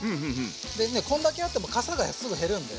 でねこんだけあってもかさがすぐ減るんで。